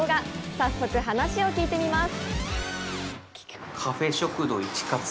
早速、話を聞いてみます！